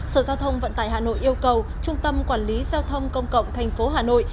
sở giao thông vận tải hà nội yêu cầu trung tâm quản lý giao thông công cộng tp hà nội